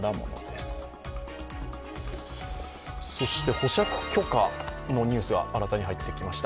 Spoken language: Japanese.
保釈許可のニュースが新たに入ってきました。